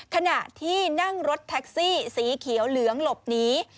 ขณะที่นั่งรถแท็กซี่สีเขียวเหลืองหลบหนี